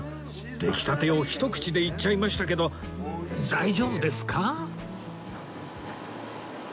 出来たてをひと口でいっちゃいましたけど大丈夫ですか？